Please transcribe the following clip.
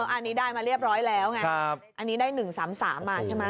อันนี้ได้มาเรียบร้อยแล้วไงอันนี้ได้๑๓๓มาใช่ไหม